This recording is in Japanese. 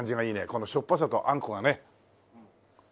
このしょっぱさとあんこがね。